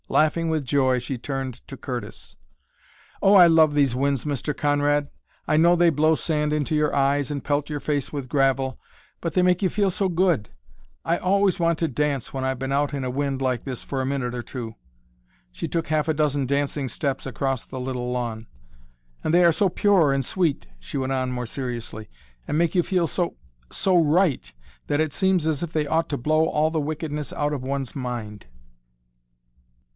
Laughing with joy she turned to Curtis. "Oh, I love these winds, Mr. Conrad! I know they blow sand into your eyes and pelt your face with gravel, but they make you feel so good! I always want to dance when I've been out in a wind like this for a minute or two." She took half a dozen dancing steps across the little lawn. "And they are so pure and sweet," she went on more seriously, "and make you feel so so right that it seems as if they ought to blow all the wickedness out of one's mind."